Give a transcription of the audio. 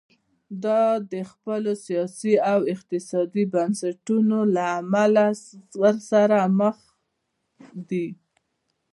دا د خپلو سیاسي او اقتصادي بنسټونو له امله ورسره مخ دي.